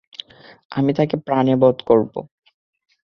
আমি তাকে প্রাণে বধ করব।